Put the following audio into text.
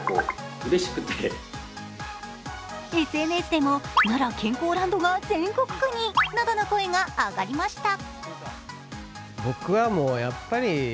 ＳＮＳでも奈良健康ランドが全国区になどの声が上がりました。